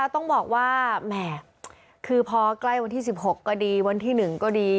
ต้องบอกว่าแหม่คือพอใกล้วันที่๑๖ก็ดีวันที่๑ก็ดี